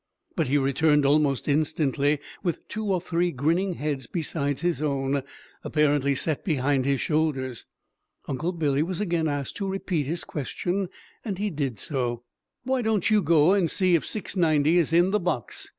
But he returned almost instantly, with two or three grinning heads besides his own, apparently set behind his shoulders. Uncle Billy was again asked to repeat his question. He did so. "Why don't you go and see if 690 is in the box?"